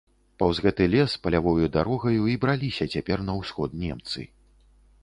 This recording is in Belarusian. Паўз гэты лес, палявою дарогаю, і браліся цяпер на ўсход немцы.